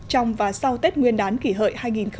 trong và sau tết nguyên đán kỷ hợi hai nghìn một mươi chín